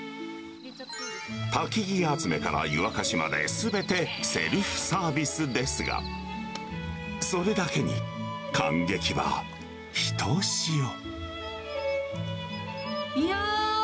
たきぎ集めから湯沸かしまで、すべてセルフサービスですが、それだけに、感激はひとしお。